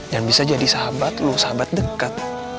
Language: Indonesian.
dan bisa jadi sahabat lu sahabat dekat